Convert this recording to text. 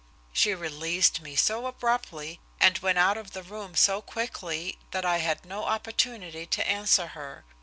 She released me so abruptly and went out of the room so quickly that I had no opportunity to answer her.